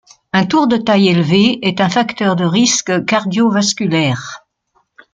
Un tour de taille élevé est un facteur de risque cardio-vasculaire.